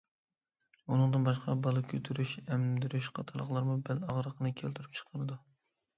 ئۇنىڭدىن باشقا بالا كۆتۈرۈش، ئەمدۈرۈش قاتارلىقلارمۇ بەل ئاغرىقىنى كەلتۈرۈپ چىقىرىدۇ.